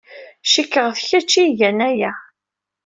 Cikkeɣ d kečč ay igan aya.